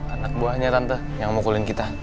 anak buahnya tante yang memukulin kita